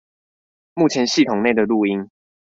目前系統內的錄音